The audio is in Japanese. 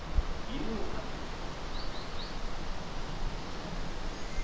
犬を飼ってるよ。